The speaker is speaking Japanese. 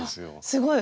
すごい。